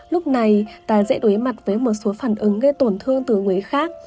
lúc này ta dễ đối mặt với một số phản ứng gây tổn thương từ người khác